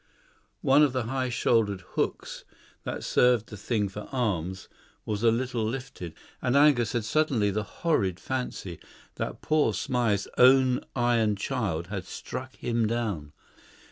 One of the high shouldered hooks that served the thing for arms, was a little lifted, and Angus had suddenly the horrid fancy that poor Smythe's own iron child had struck him down.